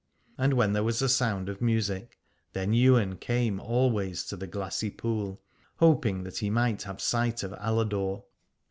And when there was a sound of music then Ywain came always to the glassy pool, hoping that he might have sight of Aladore.